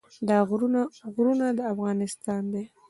دا غرونه غرونه افغانستان دی.